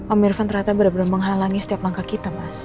om irfan ternyata benar benar menghalangi setiap langkah kita mas